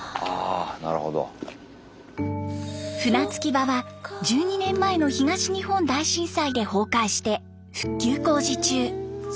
船着き場は１２年前の東日本大震災で崩壊して復旧工事中。